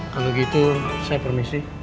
kalau gitu saya permisi